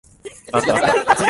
あったあった。